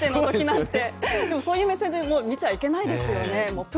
って、そういう形でも見ちゃいけないですよね